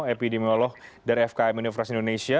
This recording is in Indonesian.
epidemiolog dari fkm universitas indonesia